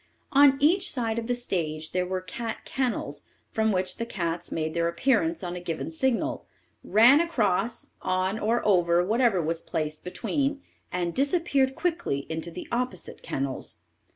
On each side of the stage there were cat kennels, from which the cats made their appearance on a given signal, ran across, on or over whatever was placed between, and disappeared quickly into the opposite kennels.